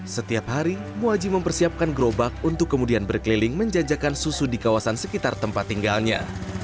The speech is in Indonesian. setiap hari muaji mempersiapkan gerobak untuk kemudian berkeliling menjajakan susu di kawasan sekitar tempat tinggalnya